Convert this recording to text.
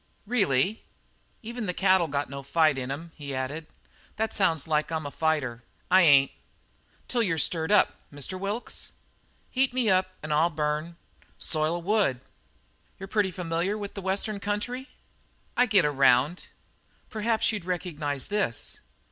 "Really?" "Even the cattle got no fight in 'em." He added, "That sounds like I'm a fighter. I ain't." "Till you're stirred up, Mr. Wilkes?" "Heat me up an' I'll burn. Soil wood." "You're pretty familiar with the Western country?" "I get around." "Perhaps you'd recognize this."